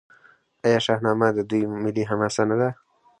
آیا شاهنامه د دوی ملي حماسه نه ده؟